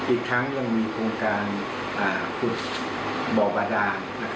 อีกทั้งยังมีโครงการขุดบ่อบาดาน